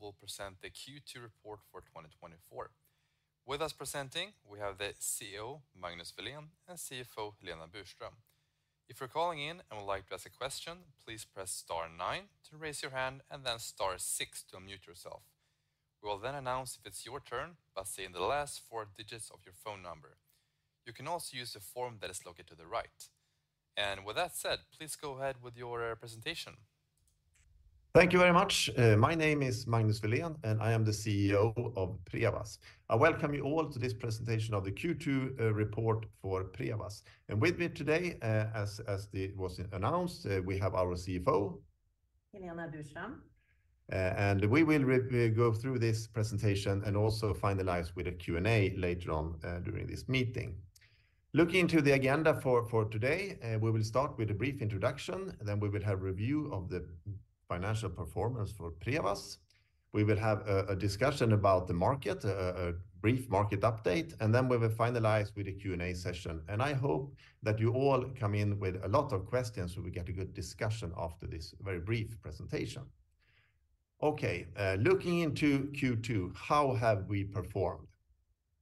We'll present the Q2 report for 2024. With us presenting, we have the CEO, Magnus Welén, and CFO, Helena Burström. If you're calling in and would like to ask a question, please press star nine to raise your hand and then star six to unmute yourself. We will then announce if it's your turn by saying the last four digits of your phone number. You can also use the form that is located to the right. With that said, please go ahead with your presentation. Thank you very much. My name is Magnus Welén, and I am the CEO of Prevas. I welcome you all to this presentation of the Q2 report for Prevas. And with me today, as it was announced, we have our CFO- Helena Burström. And we will go through this presentation and also finalize with a Q&A later on, during this meeting. Looking to the agenda for today, we will start with a brief introduction. Then we will have review of the financial performance for Prevas. We will have a discussion about the market, a brief market update, and then we will finalize with a Q&A session. I hope that you all come in with a lot of questions, so we get a good discussion after this very brief presentation. Okay, looking into Q2, how have we performed?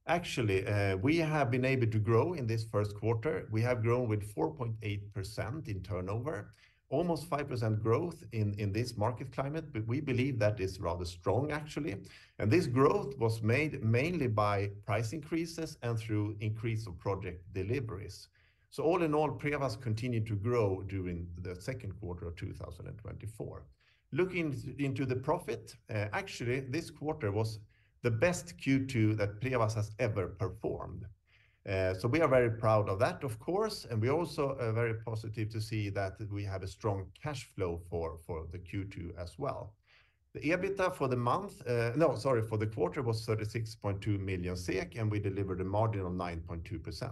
Actually, we have been able to grow in this first quarter. We have grown with 4.8% in turnover, almost 5% growth in this market climate, but we believe that is rather strong, actually. And this growth was made mainly by price increases and through increase of project deliveries. So all in all, Prevas continued to grow during the second quarter of 2024. Looking into the profit, actually, this quarter was the best Q2 that Prevas has ever performed. So we are very proud of that, of course, and we also are very positive to see that we have a strong cash flow for the Q2 as well. The EBITDA for the quarter was 36.2 million SEK, and we delivered a margin of 9.2%.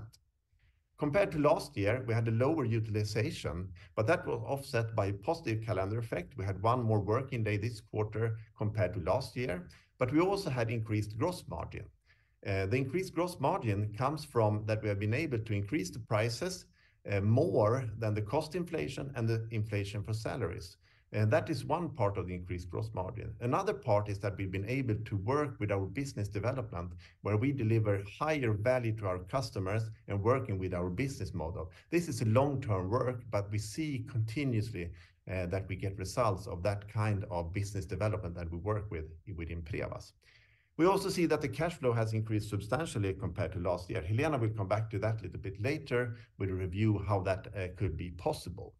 Compared to last year, we had a lower utilization, but that was offset by a positive calendar effect. We had one more working day this quarter compared to last year, but we also had increased gross margin. The increased gross margin comes from that we have been able to increase the prices, more than the cost inflation and the inflation for salaries. That is one part of the increased gross margin. Another part is that we've been able to work with our business development, where we deliver higher value to our customers in working with our business model. This is a long-term work, but we see continuously, that we get results of that kind of business development that we work with within Prevas. We also see that the cash flow has increased substantially compared to last year. Helena will come back to that a little bit later with a review how that could be possible.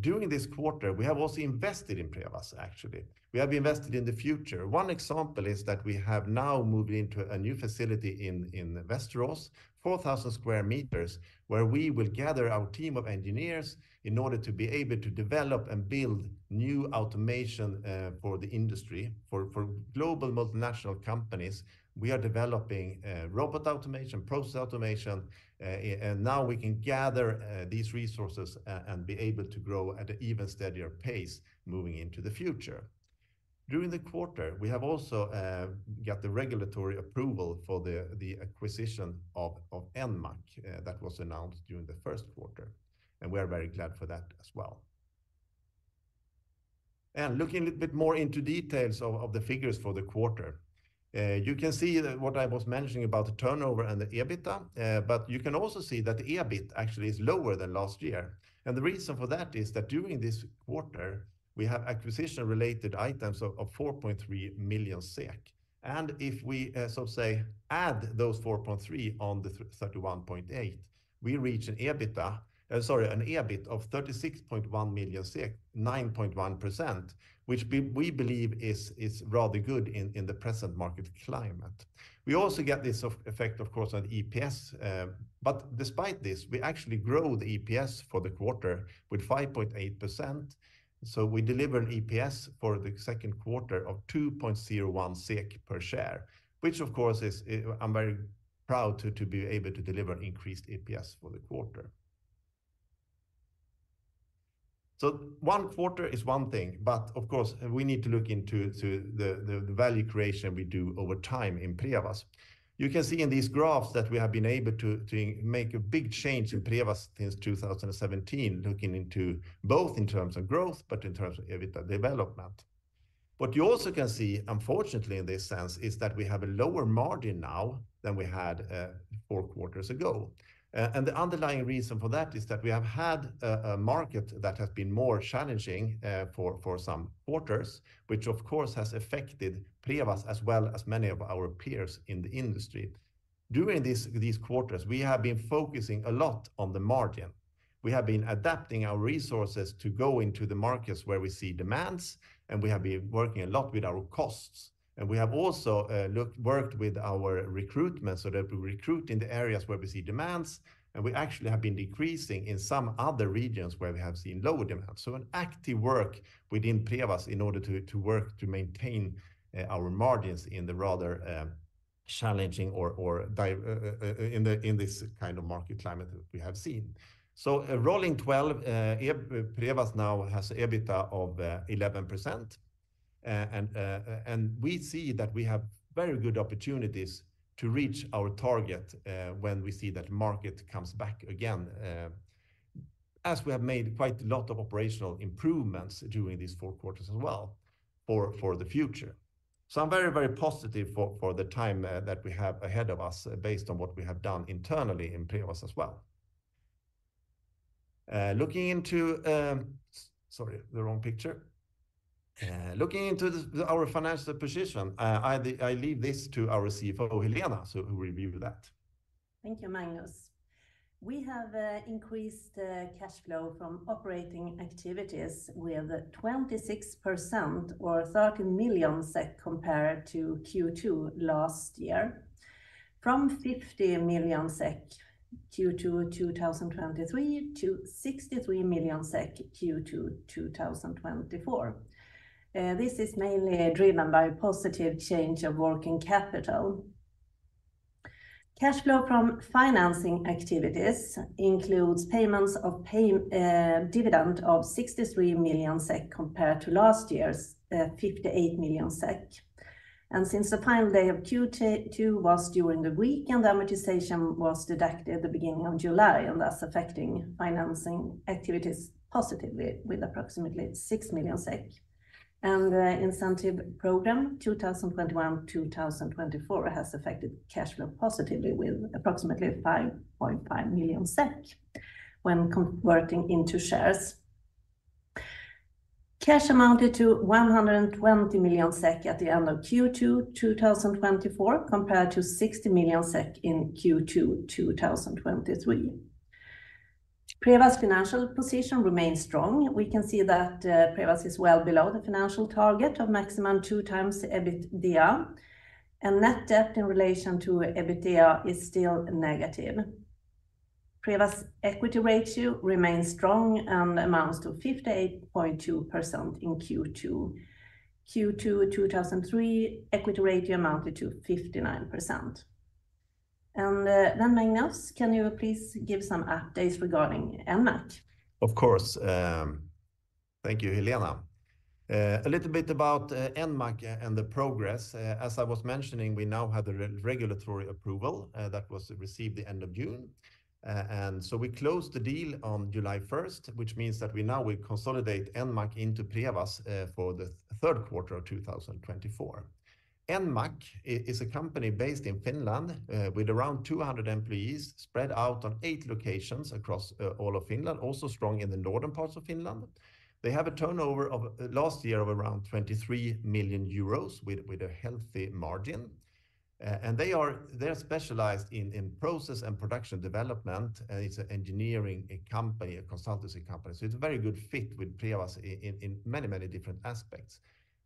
During this quarter, we have also invested in Prevas, actually. We have invested in the future. One example is that we have now moved into a new facility in Västerås, 4,000 square meters, where we will gather our team of engineers in order to be able to develop and build new automation for the industry. For global multinational companies, we are developing robot automation, process automation, and now we can gather these resources and be able to grow at an even steadier pace moving into the future. During the quarter, we have also got the regulatory approval for the acquisition of Enmac that was announced during the first quarter, and we are very glad for that as well. Looking a little bit more into details of the figures for the quarter, you can see that what I was mentioning about the turnover and the EBITDA, but you can also see that the EBIT actually is lower than last year. The reason for that is that during this quarter, we have acquisition-related items of 4.3 million SEK. If we add those 4.3 million on the 31.8 million, we reach an EBITDA sorry an EBIT of 36.1 million SEK, 9.1%, which we believe is rather good in the present market climate. We also get this effect, of course, on EPS, but despite this, we actually grow the EPS for the quarter with 5.8%. So we deliver an EPS for the second quarter of 2.01 SEK per share, which of course is, I'm very proud to be able to deliver increased EPS for the quarter. So one quarter is one thing, but of course, we need to look into the value creation we do over time in Prevas. You can see in these graphs that we have been able to make a big change in Prevas since 2017, looking into both in terms of growth, but in terms of EBITDA development. What you also can see, unfortunately, in this sense, is that we have a lower margin now than we had four quarters ago. And the underlying reason for that is that we have had a market that has been more challenging for some quarters, which of course has affected Prevas as well as many of our peers in the industry. During these quarters, we have been focusing a lot on the margin. We have been adapting our resources to go into the markets where we see demands, and we have been working a lot with our costs. And we have also worked with our recruitment so that we recruit in the areas where we see demands, and we actually have been decreasing in some other regions where we have seen lower demands. So an active work within Prevas in order to work to maintain our margins in the rather challenging in this kind of market climate that we have seen. So a rolling twelve Prevas now has EBITDA of 11%. And we see that we have very good opportunities to reach our target when we see that market comes back again as we have made quite a lot of operational improvements during these four quarters as well for the future. So I'm very, very positive for the time that we have ahead of us based on what we have done internally in Prevas as well. Looking into. Sorry, the wrong picture. Looking into our financial position, I leave this to our CFO, Helena, so who will review that. Thank you, Magnus. We have increased cash flow from operating activities with 26% or 30 million SEK compared to Q2 last year, from 50 million SEK Q2 2023 to 63 million SEK Q2 2024. This is mainly driven by positive change of working capital. Cash flow from financing activities includes payment of dividend of 63 million SEK compared to last year's 58 million SEK. Since the payday of Q2 2024 was during the week, and the amortization was deducted at the beginning of July, and thus affecting financing activities positively with approximately 6 million SEK. The incentive program 2021-2024 has affected cash flow positively with approximately 5.5 million SEK when converting into shares. Cash amounted to 120 million SEK at the end of Q2 2024, compared to 60 million SEK in Q2 2023. Prevas financial position remains strong. We can see that, Prevas is well below the financial target of maximum 2x EBITDA, and net debt in relation to EBITDA is still negative. Prevas equity ratio remains strong and amounts to 58.2% in Q2. Q2 2023 equity ratio amounted to 59%. Then Magnus, can you please give some updates regarding Enmac? Of course. Thank you, Helena. A little bit about Enmac and the progress. As I was mentioning, we now have the regulatory approval that was received the end of June. And so we closed the deal on July 1, which means that we now will consolidate Enmac into Prevas for the third quarter of 2024. Enmac is a company based in Finland, with around 200 employees, spread out on eight locations across all of Finland, also strong in the northern parts of Finland. They have a turnover of last year of around 23 million euros, with a healthy margin. And they're specialized in process and production development, and it's an engineering company, a consultancy company. So it's a very good fit with Prevas in many different aspects.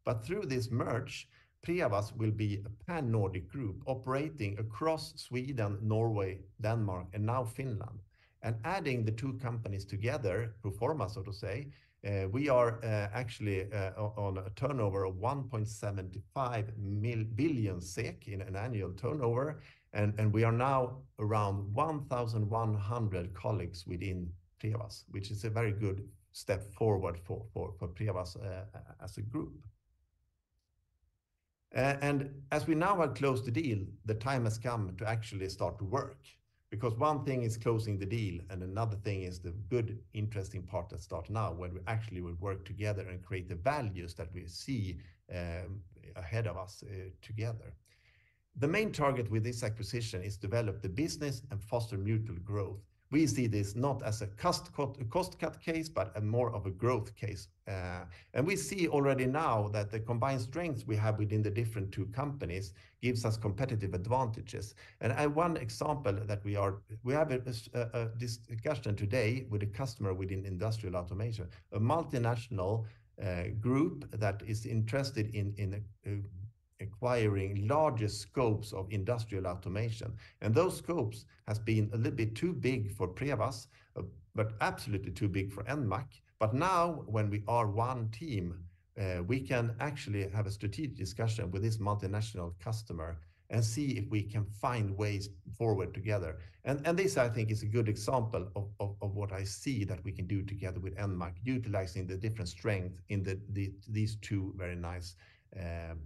But through this merge, Prevas will be a Pan-Nordic group operating across Sweden, Norway, Denmark, and now Finland. And adding the two companies together, pro forma, so to say, we are actually on a turnover of 1.75 billion SEK in an annual turnover, and we are now around 1,100 colleagues within Prevas, which is a very good step forward for Prevas as a group. And as we now have closed the deal, the time has come to actually start to work. Because one thing is closing the deal, and another thing is the good, interesting part that start now, when we actually will work together and create the values that we see ahead of us together. The main target with this acquisition is develop the business and foster mutual growth. We see this not as a cost cut case, but a more of a growth case. And we see already now that the combined strengths we have within the different two companies gives us competitive advantages. And one example that we have a discussion today with a customer within industrial automation, a multinational group that is interested in acquiring larger scopes of industrial automation. And those scopes has been a little bit too big for Prevas, but absolutely too big for Enmac. But now, when we are one team, we can actually have a strategic discussion with this multinational customer and see if we can find ways forward together. This, I think, is a good example of what I see that we can do together with Enmac, utilizing the different strengths in these two very nice organizations.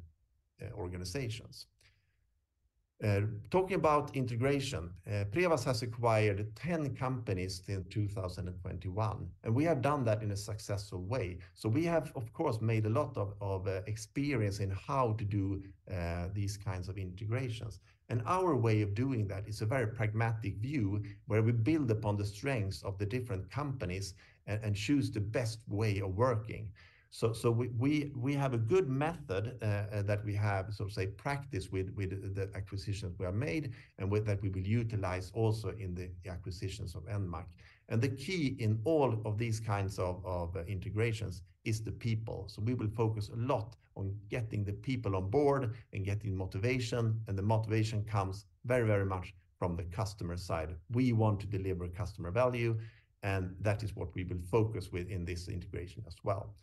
Talking about integration, Prevas has acquired 10 companies since 2021, and we have done that in a successful way. So we have, of course, made a lot of experience in how to do these kinds of integrations. Our way of doing that is a very pragmatic view, where we build upon the strengths of the different companies and choose the best way of working. So we have a good method that we have, so to say, practice with the acquisitions we have made, and with that, we will utilize also in the acquisitions of Enmac. The key in all of these kinds of integrations is the people. So we will focus a lot on getting the people on board and getting motivation, and the motivation comes very, very much from the customer side. We want to deliver customer value, and that is what we will focus with in this integration as well.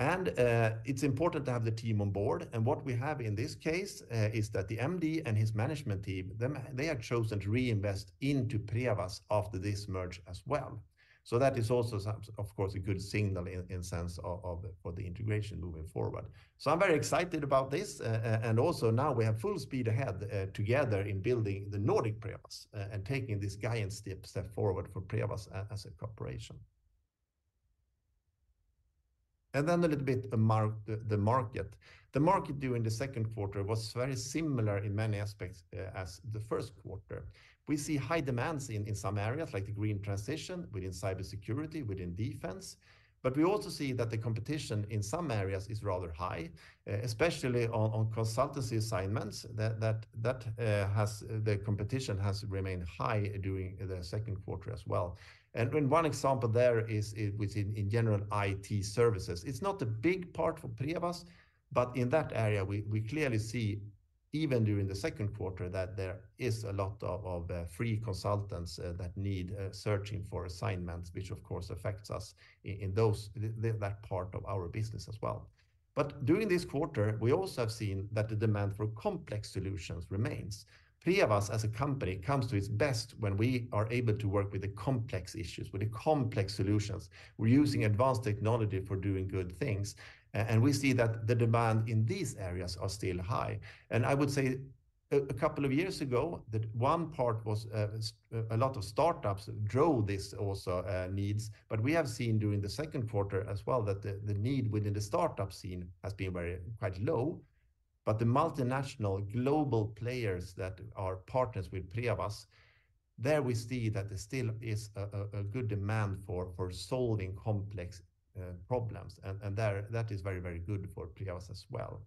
It's important to have the team on board, and what we have in this case is that the MD and his management team, they have chosen to reinvest into Prevas after this merge as well. So that is also, of course, a good signal in sense of for the integration moving forward. So I'm very excited about this, and also now we have full speed ahead, together in building the Nordic Prevas, and taking this giant step forward for Prevas as a corporation. And then a little bit about the market. The market during the second quarter was very similar in many aspects as the first quarter. We see high demands in some areas, like the green transition, within cybersecurity, within defense. But we also see that the competition in some areas is rather high, especially on consultancy assignments. That the competition has remained high during the second quarter as well. And one example there is, in general, IT services. It's not a big part for Prevas, but in that area, we clearly see, even during the second quarter, that there is a lot of free consultants that need searching for assignments, which of course affects us in those, that part of our business as well. But during this quarter, we also have seen that the demand for complex solutions remains. Prevas, as a company, comes to its best when we are able to work with the complex issues, with the complex solutions. We're using advanced technology for doing good things, and we see that the demand in these areas are still high. And I would say a couple of years ago, that one part was a lot of startups drove this also, needs. But we have seen during the second quarter as well that the need within the startup scene has been very quite low. But the multinational global players that are partners with Prevas, there we see that there still is a good demand for solving complex problems. And there, that is very very good for Prevas as well.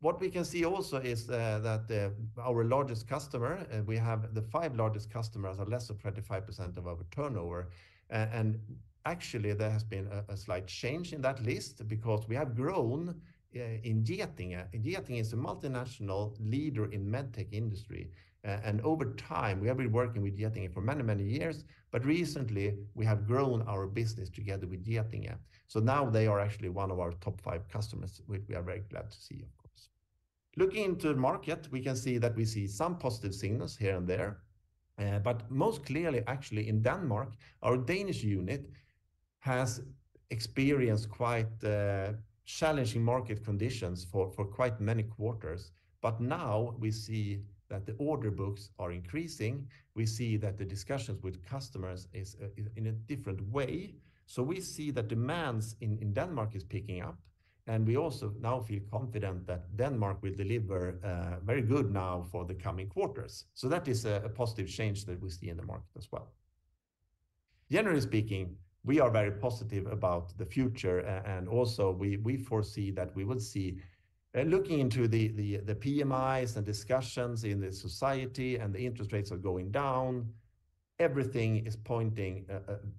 What we can see also is that our largest customer, we have the five largest customers are less than 25% of our turnover. And actually, there has been a slight change in that list because we have grown in Getinge. And Getinge is a multinational leader in medtech industry. And over time, we have been working with Getinge for many many years, but recently, we have grown our business together with Getinge. So now they are actually one of our top five customers, which we are very glad to see, of course. Looking into the market, we can see that we see some positive signals here and there. But most clearly, actually, in Denmark, our Danish unit has experienced quite challenging market conditions for quite many quarters. But now we see that the order books are increasing. We see that the discussions with customers is in a different way. So we see the demands in Denmark is picking up, and we also now feel confident that Denmark will deliver very good now for the coming quarters. So that is a positive change that we see in the market as well. Generally speaking, we are very positive about the future, and also, we foresee that we will see... Looking into the PMIs and discussions in the society and the interest rates are going down, everything is pointing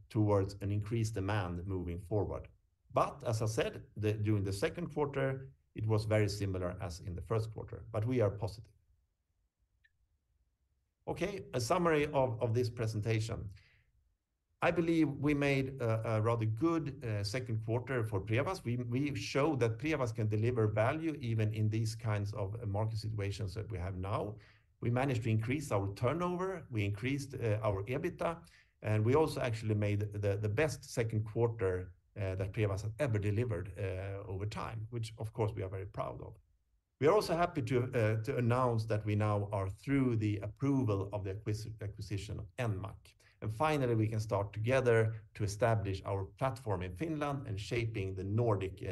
towards an increased demand moving forward. But as I said, during the second quarter, it was very similar as in the first quarter, but we are positive. Okay, a summary of this presentation. I believe we made a rather good second quarter for Prevas. We showed that Prevas can deliver value even in these kinds of market situations that we have now. We managed to increase our turnover, we increased our EBITDA, and we also actually made the best second quarter that Prevas has ever delivered over time, which of course, we are very proud of. We are also happy to announce that we now are through the approval of the acquisition of Enmac. And finally, we can start together to establish our platform in Finland and shaping the Nordic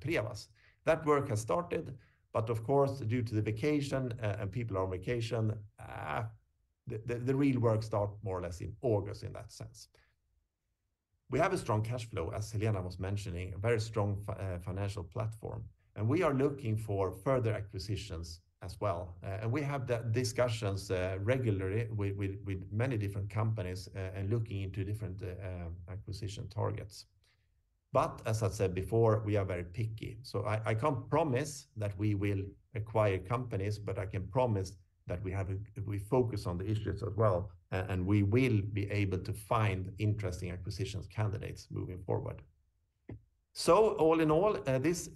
Prevas. That work has started, but of course, due to the vacation, and people are on vacation, the real work start more or less in August in that sense. We have a strong cash flow, as Helena was mentioning, a very strong financial platform, and we are looking for further acquisitions as well. And we have the discussions regularly with many different companies, and looking into different acquisition targets. But as I said before, we are very picky, so I can't promise that we will acquire companies, but I can promise that we have we focus on the issues as well, and we will be able to find interesting acquisitions candidates moving forward. So all in all,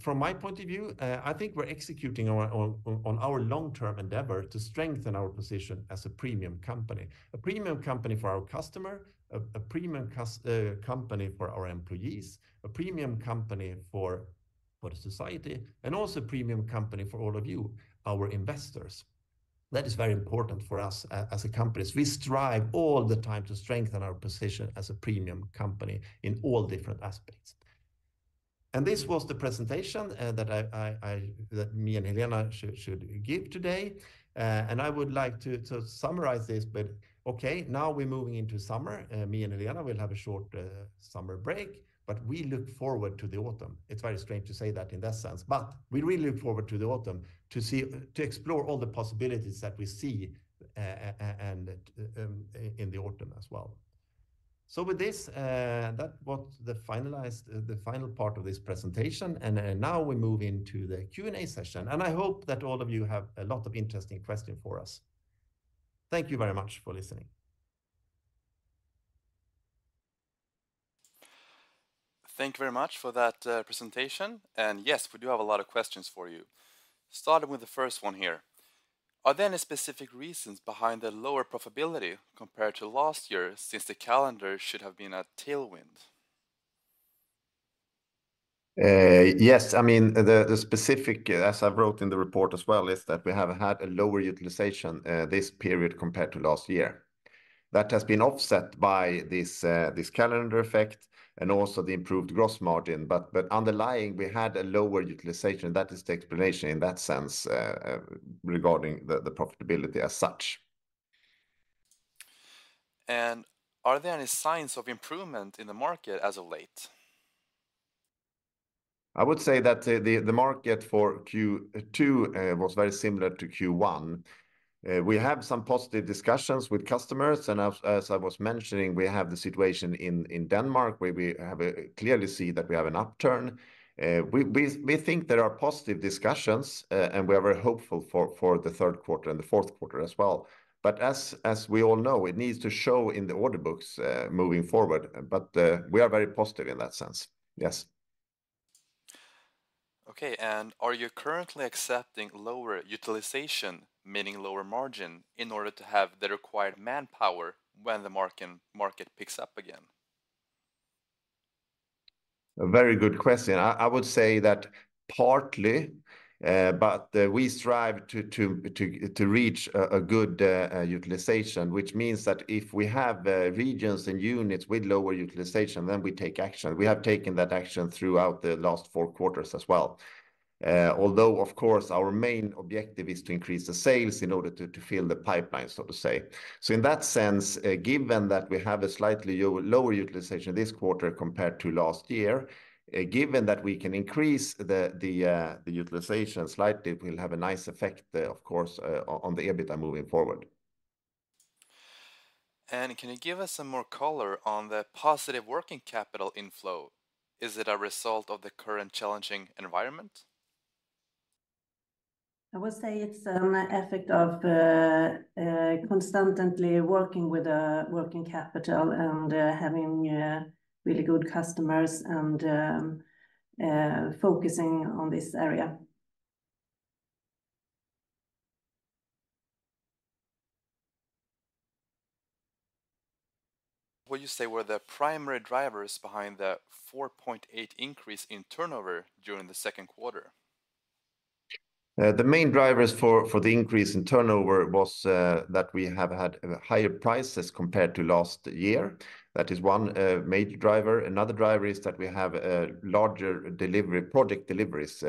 from my point of view, I think we're executing on our long-term endeavor to strengthen our position as a premium company. A premium company for our customer, a premium company for our employees, a premium company for the society, and also premium company for all of you, our investors. That is very important for us as a company. We strive all the time to strengthen our position as a premium company in all different aspects. This was the presentation that me and Helena should give today. I would like to summarize this, but okay, now we're moving into summer. Me and Helena will have a short summer break, but we look forward to the autumn. It's very strange to say that in that sense, but we really look forward to the autumn to explore all the possibilities that we see and in the autumn as well. So with this, that was the finalized, the final part of this presentation, and now we move into the Q&A session. I hope that all of you have a lot of interesting questions for us. Thank you very much for listening. Thank you very much for that, presentation. Yes, we do have a lot of questions for you. Starting with the first one here: Are there any specific reasons behind the lower profitability compared to last year, since the calendar should have been a tailwind? Yes. I mean, the specific, as I wrote in the report as well, is that we have had a lower utilization this period compared to last year. That has been offset by this calendar effect and also the improved gross margin. But underlying, we had a lower utilization, that is the explanation in that sense, regarding the profitability as such. Are there any signs of improvement in the market as of late? I would say that the market for Q2 was very similar to Q1. We have some positive discussions with customers, and as I was mentioning, we have the situation in Denmark, where we clearly see that we have an upturn. We think there are positive discussions, and we are very hopeful for the third quarter and the fourth quarter as well. But as we all know, it needs to show in the order books moving forward. But we are very positive in that sense. Yes. Okay, and are you currently accepting lower utilization, meaning lower margin, in order to have the required manpower when the market picks up again? A very good question. I would say that partly, but, we strive to reach a good utilization. Which means that if we have regions and units with lower utilization, then we take action. We have taken that action throughout the last four quarters as well. Although, of course, our main objective is to increase the sales in order to fill the pipeline, so to say. So in that sense, given that we have a slightly lower utilization this quarter compared to last year, given that we can increase the utilization slightly, it will have a nice effect there, of course, on the EBITDA moving forward. Can you give us some more color on the positive working capital inflow? Is it a result of the current challenging environment? I would say it's an effect of constantly working with working capital and having really good customers and focusing on this area. What you say were the primary drivers behind the 4.8 increase in turnover during the second quarter? The main drivers for the increase in turnover was that we have had higher prices compared to last year. That is one major driver. Another driver is that we have a larger delivery, project deliveries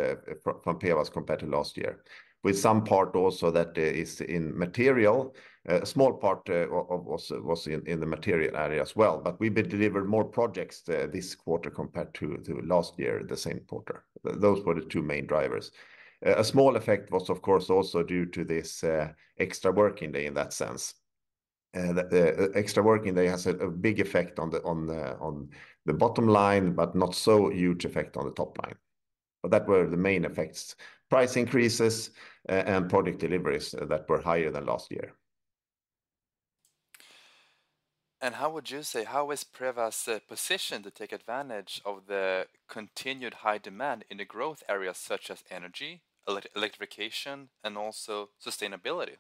from Prevas compared to last year, with some part also that is in material. A small part of was in the material area as well, but we did deliver more projects this quarter compared to last year, the same quarter. Those were the two main drivers. A small effect was, of course, also due to this extra working day in that sense. The extra working day has a big effect on the bottom line, but not so huge effect on the top line. But that were the main effects: price increases, and project deliveries that were higher than last year. How would you say, how is Prevas positioned to take advantage of the continued high demand in the growth areas such as energy, electrification, and also sustainability?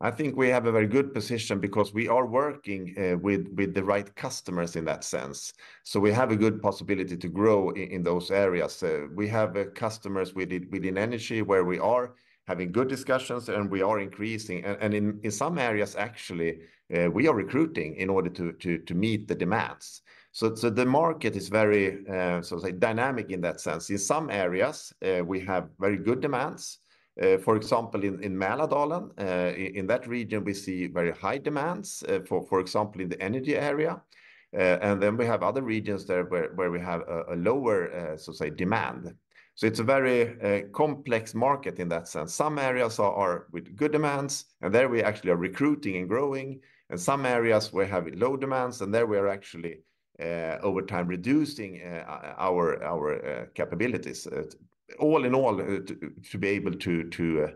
I think we have a very good position because we are working with the right customers in that sense. So we have a good possibility to grow in those areas. We have customers within energy, where we are having good discussions, and we are increasing. And in some areas, actually, we are recruiting in order to meet the demands. So the market is very so to say dynamic in that sense. In some areas, we have very good demands. For example, in Mälardalen, in that region, we see very high demands, for example, in the energy area. And then we have other regions there where we have a lower so to say demand. So it's a very complex market in that sense. Some areas are with good demands, and there we actually are recruiting and growing. Some areas we're having low demands, and there we are actually, over time, reducing our capabilities. All in all, to be able to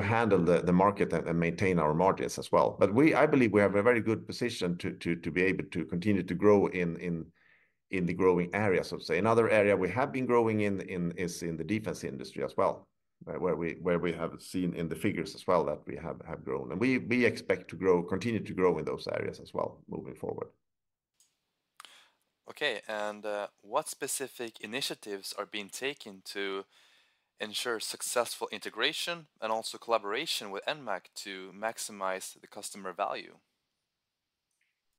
handle the market and maintain our margins as well. But, I believe we have a very good position to be able to continue to grow in the growing areas, so to say. Another area we have been growing in is in the defense industry as well, where we have seen in the figures as well that we have grown. And we expect to continue to grow in those areas as well moving forward. Okay, what specific initiatives are being taken to ensure successful integration and also collaboration with Enmac to maximize the customer value?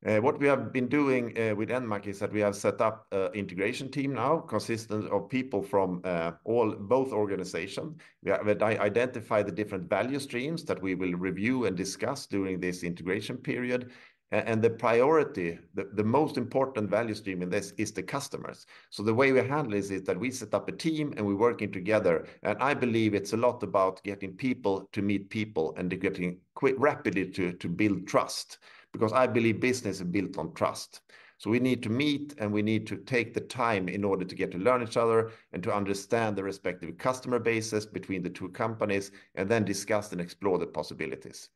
What we have been doing with Enmac is that we have set up a integration team now, consisted of people from all, both organizations. I identify the different value streams that we will review and discuss during this integration period. And the priority, the most important value stream in this is the customers. So the way we handle this is that we set up a team, and we're working together. And I believe it's a lot about getting people to meet people and getting rapidly to build trust, because I believe business is built on trust. So we need to meet, and we need to take the time in order to get to learn each other and to understand the respective customer bases between the two companies, and then discuss and explore the possibilities.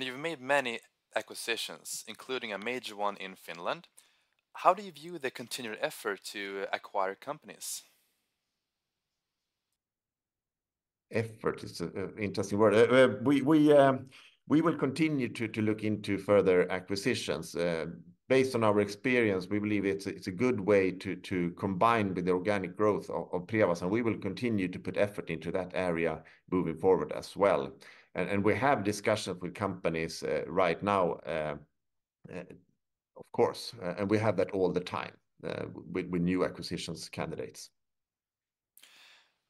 You've made many acquisitions, including a major one in Finland. How do you view the continued effort to acquire companies? Effort is an interesting word. We will continue to look into further acquisitions. Based on our experience, we believe it's a good way to combine with the organic growth of Prevas, and we will continue to put effort into that area moving forward as well. We have discussions with companies right now, of course, and we have that all the time with new acquisitions candidates.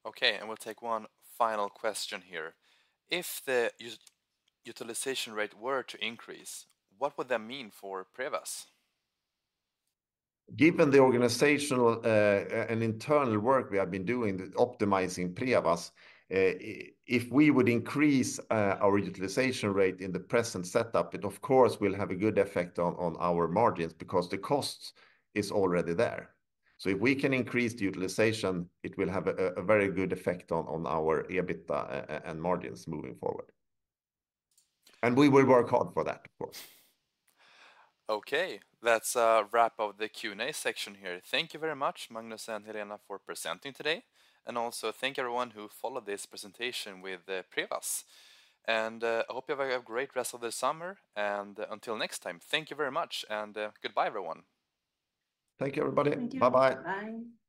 Okay, and we'll take one final question here. If the utilization rate were to increase, what would that mean for Prevas? Given the organizational and internal work we have been doing, optimizing Prevas, if we would increase our utilization rate in the present setup, it of course will have a good effect on our margins because the cost is already there. So if we can increase the utilization, it will have a very good effect on our EBITDA and margins moving forward. And we will work hard for that, of course. Okay, let's wrap up the Q&A section here. Thank you very much, Magnus and Helena, for presenting today. Also thank you, everyone, who followed this presentation with Prevas. I hope you have a great rest of the summer, and until next time, thank you very much, and goodbye, everyone. Thank you, everybody. Thank you. Bye-bye. Bye.